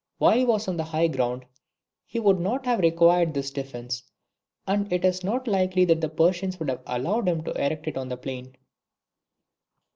While he was on the high ground he would not have required this defence; and it is not likely that the Persians would have allowed him to erect it on the plain.